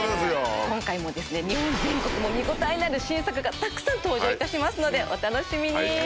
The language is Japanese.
今回も日本全国の見応えのある新作がたくさん登場いたしますのでお楽しみに。